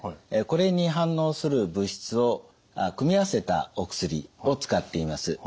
これに反応する物質を組み合わせたお薬を使っています。